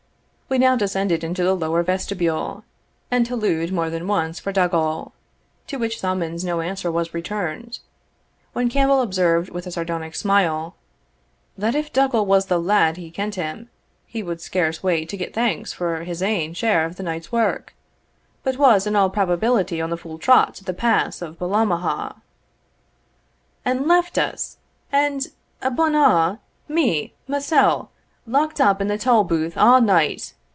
We now descended into the lower vestibule, and hallooed more than once for Dougal, to which summons no answer was returned; when Campbell observed with a sardonic smile, "That if Dougal was the lad he kent him, he would scarce wait to get thanks for his ain share of the night's wark, but was in all probability on the full trot to the pass of Ballamaha" "And left us and, abune a', me, mysell, locked up in the tolbooth a' night!"